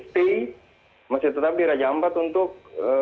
stay masih tetap di raja ampat untuk